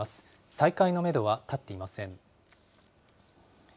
再開のメドは立っていません。